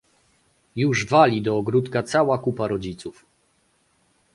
"Już wali do ogródka cała kupa rodziców."